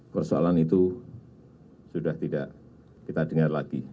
persoalan itu sudah tidak kita dengar lagi